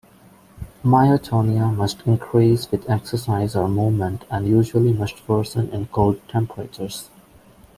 Myotonia must increase with exercise or movement and usually must worsen in cold temperatures.